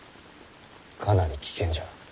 かなり危険じゃな。